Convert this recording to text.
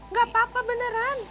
nggak apa apa beneran